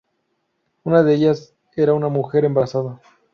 Una de ellas, era una mujer embarazada.